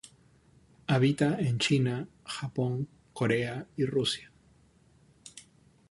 Habita en China, Japón, Corea y Rusia.